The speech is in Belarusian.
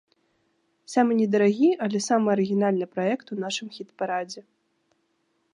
Самы недарагі, але самы арыгінальны праект у нашым хіт-парадзе.